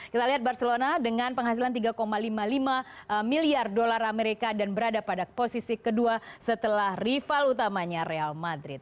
kita lihat barcelona dengan penghasilan tiga lima puluh lima miliar dolar amerika dan berada pada posisi kedua setelah rival utamanya real madrid